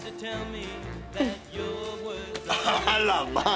あらまあ！